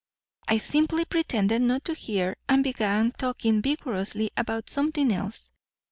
I simply pretended not to hear, and began talking vigorously about something else.